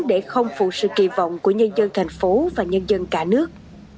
để không phụ sự kỳ vọng của nhân dân thành phố và nhân dân cả nước